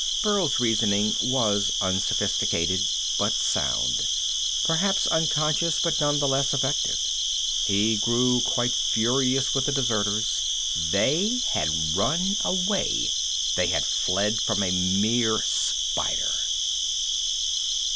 Burl's reasoning was unsophisticated, but sound; perhaps unconscious, but none the less effective. He grew quite furious with the deserters. They had run away! They had fled from a mere spider.